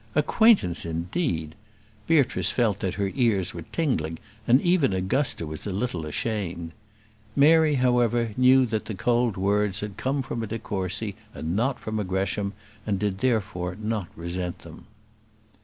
Acquaintance indeed! Beatrice felt that her ears were tingling, and even Augusta was a little ashamed. Mary, however, knew that the cold words had come from a de Courcy, and not from a Gresham, and did not, therefore, resent them.